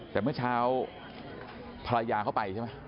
แต่เมื่อเช้าภรรยาเข้าไปใช่ไหม